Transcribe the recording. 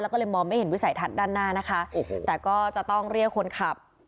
แล้วก็เลยมองไม่เห็นวิสัยทัศน์ด้านหน้านะคะโอ้โหแต่ก็จะต้องเรียกคนขับ